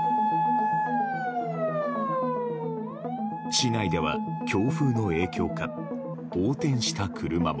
市内では強風の影響か横転した車も。